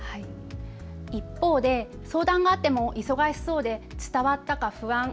一方で相談があっても忙しそうで伝わったか不安。